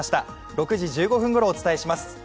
６時１５分ごろ、お伝えします。